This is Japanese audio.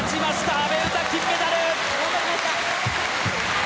阿部詩、金メダル！